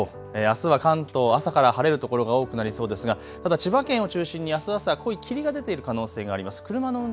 あすは関東、朝から晴れる所が多くなりそうですが、ただ千葉県を中心にあす朝、濃い霧が出ている可能性があります。